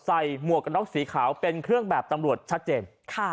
หมวกกระน็อกสีขาวเป็นเครื่องแบบตำรวจชัดเจน